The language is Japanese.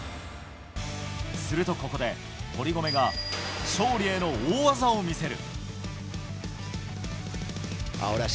すると、ここで堀米が勝利への大技を見せる。